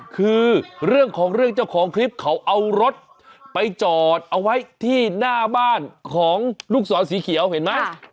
คือเรื่องของเรื่องเจ้าของคลิปเขาเอารถไปจอดเอาไว้ที่หน้าบ้านของลูกศรสีเขียวเห็นไหม